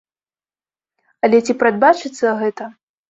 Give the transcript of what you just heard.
Але ці прадбачыцца гэта?